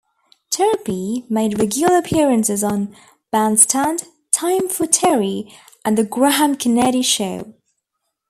Turpie made regular appearances on "Bandstand", "Time For Terry" and "The Graham Kennedy Show".